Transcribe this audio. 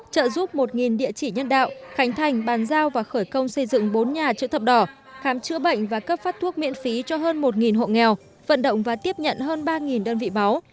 trợ giúp một địa chỉ nhân đạo khánh thành bàn giao và khởi công xây dựng bốn nhà chữ thập đỏ khám chữa bệnh và cấp phát thuốc miễn phí cho hơn một hộ nghèo vận động và tiếp nhận hơn ba đơn vị máu